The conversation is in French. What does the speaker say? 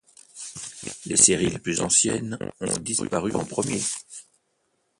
Les séries les plus anciennes ont disparu en premier.